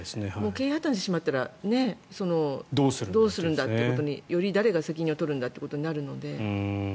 経営破たんしたらどうするんだということにより、誰が責任を取るんだとなるので。